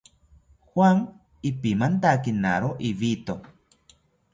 Juan ipimantakinawo ibito